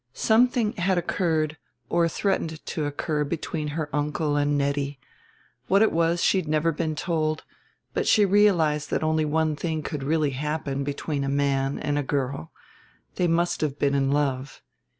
Something had occurred, or threatened to occur, between her uncle and Nettie; what it was she had never been told; but she realized that only one thing could really happen between a man and a girl they must have been in love.